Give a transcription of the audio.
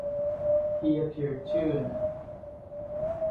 He appeared too in It!